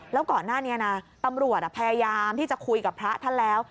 แล้วก่อนหน้านี้นะตำรวจพยายามที่จะคุยกับพระท่านแล้ว